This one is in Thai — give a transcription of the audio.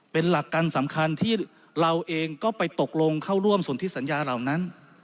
เป็นหลักการสำคัญที่เราเองก็ไปตกลงเข้าร่วมส่วนที่สัญญาเหล่านั้น